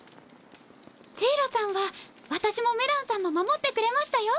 ジイロさんは私もメランさんも守ってくれましたよ。